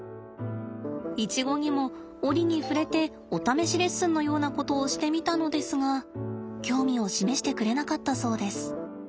イチゴにも折に触れてお試しレッスンのようなことをしてみたのですが興味を示してくれなかったそうです。